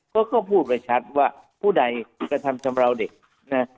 ก็ก็พูดไปชัดว่าผู้ใดกระทำชำราวเด็กนะ